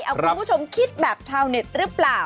เอาคุณผู้ชมคิดแบบชาวเน็ตหรือเปล่า